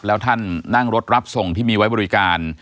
แล้วท่านนั่งรถรับส่งที่มีไว้บริการ